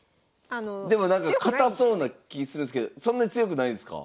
でもなんか堅そうな気するんですけどそんなに強くないんすか？